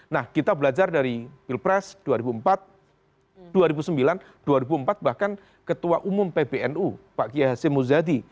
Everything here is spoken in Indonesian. nah kita belajar dari pilpres dua ribu empat dua ribu sembilan dua ribu empat bahkan ketua umum pbnu pak kiai hasim muzadi